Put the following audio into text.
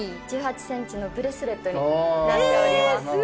１８センチのブレスレットになっております。